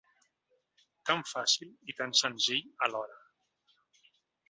Tan fàcil i tan senzill alhora.